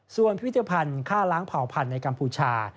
ส่วนพิวเทพันธ์ฆ่าล้างเผาผันในกัมพูชา